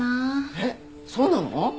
えっそうなの？